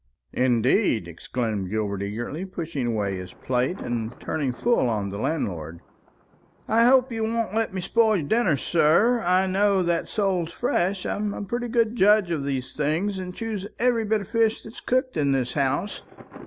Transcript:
"Indeed!" exclaimed Gilbert eagerly, pushing away his plate, and turning full on the landlord. "I hope you won't let me spoil your dinner, sir; I know that sole's fresh. I'm a pretty good judge of those things, and choose every bit of fish that's cooked in this house.